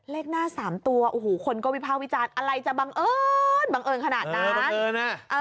เลขหน้า๓ตัวโอ้โหคนก็วิภาควิจารณ์อะไรจะบังเอิญบังเอิญขนาดนั้น